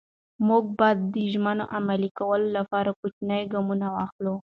موږ به د ژمنو عملي کولو لپاره کوچني ګامونه واخلو.